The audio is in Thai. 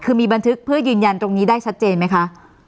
คือมีบันทึกเพื่อยืนยันตรงนี้ได้ชัดเจนไหมคะ